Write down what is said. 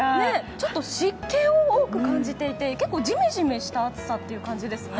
ちょっと湿気を多く感じていて結構、ジメジメした暑さという感じですね。